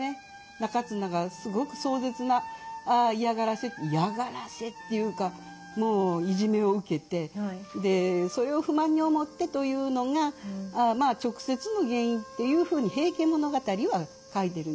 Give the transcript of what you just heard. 仲綱がすごく壮絶な嫌がらせ嫌がらせっていうかもういじめを受けてそれを不満に思ってというのがまあ直接の原因っていうふうに「平家物語」は書いてるんです。